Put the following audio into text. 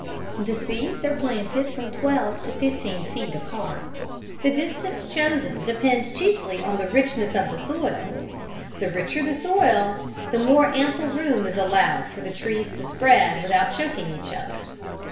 The seeds are planted from twelve to fifteen feet apart. The distance chosen depends chiefly on the richness of the soil; the richer the soil, the more ample room is allowed for the trees to spread without choking each other.